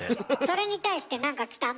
それに対して何か来た？